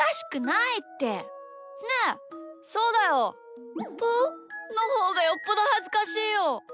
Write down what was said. そうだよプゥのほうがよっぽどはずかしいよ。